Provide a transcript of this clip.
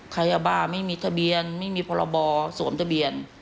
ยาบ้าไม่มีทะเบียนไม่มีพรบสวมทะเบียน